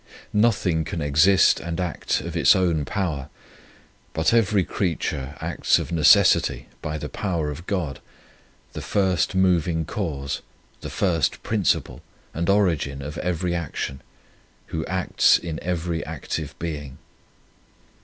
N othing can exist and act of its own power, but every creature acts of necessity by the power of God, the first moving cause, the first principle and origin of every action, Who acts in every active being.